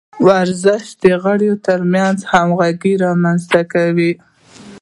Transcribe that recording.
ورزش د غړو ترمنځ همغږي رامنځته کوي.